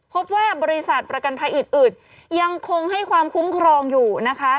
พบว่าบริษัทประกันภัยอื่นยังคงให้ความคุ้มครองอยู่นะคะ